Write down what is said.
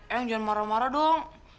emang jangan marah marah dong